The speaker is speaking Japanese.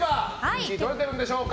１位とれてるんでしょうか。